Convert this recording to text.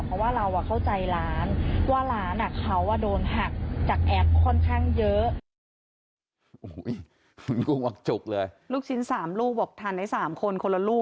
เพราะว่าเราเข้าใจร้าน